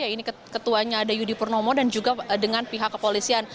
ya ini ketuanya ada yudi purnomo dan juga dengan pihak kepolisian